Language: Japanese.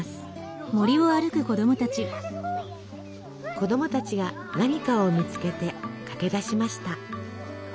子どもたちが何かを見つけて駆けだしました。